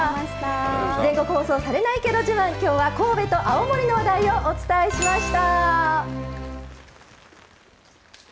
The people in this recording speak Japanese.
全国放送されないけどじまんきょうは神戸と青森の話題をお伝えしました。